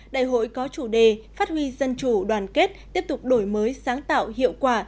đại hội có chủ đề phát huy dân chủ đoàn kết tiếp tục đổi mới sáng tạo hiệu quả